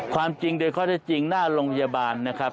ความจริงโดยข้อได้จริงหน้าโรงพยาบาลนะครับ